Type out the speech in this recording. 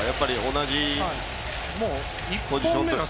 同じポジションとして。